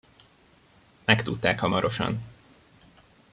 Megtudták hamarosan.